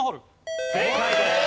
正解です。